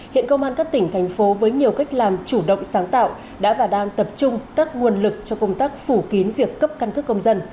hiện công an các tỉnh thành phố với nhiều cách làm chủ động sáng tạo đã và đang tập trung các nguồn lực cho công tác phủ kín việc cấp căn cước công dân